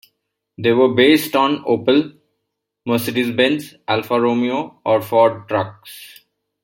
They were based on Opel, Mercedes-Benz, Alfa-Romeo or Ford trucks.